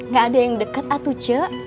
gak ada yang deket atu ce